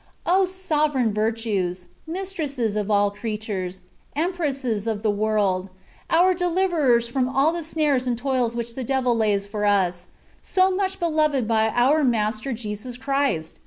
O sovereign virtues ! mistresses of all creatures, empresses of the world, our deliverers from all the snares and toils which the devil lays for us, and so much beloved by our Master Jesus Christ